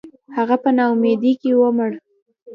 • هغه په ناامیدۍ کې ومړ.